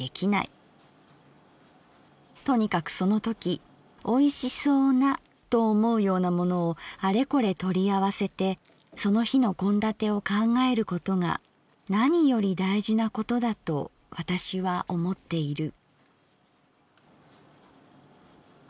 とにかくそのとき美味しそうなと思うようなものをあれこれ取り合わせてその日の献立を考えることがなにより大事なことだと私は思っている」。